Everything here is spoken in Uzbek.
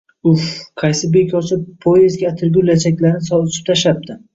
Uff, qaysi bekorchi pod`ezdga atirgul lachaklarini sochib tashlabdi